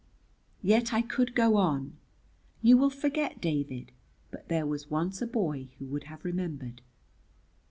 Yet I could go on. "You will forget, David, but there was once a boy who would have remembered."